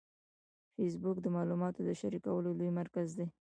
فېسبوک د معلوماتو د شریکولو لوی مرکز دی